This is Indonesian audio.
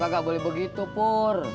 lo kagak boleh begitu pur